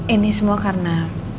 ini semua karena